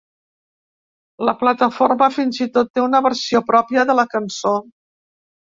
La plataforma fins i tot té una versió pròpia de la cançó.